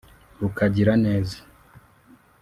rukagira neza